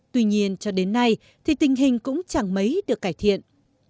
tuy nhiên cho đến nay thì tình hình cũng chẳng mấy được cải thiện